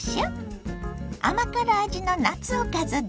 甘辛味の夏おかずです。